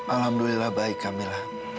alhamdulillah baik kamila